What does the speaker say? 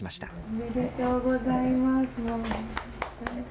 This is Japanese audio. おめでとうございます。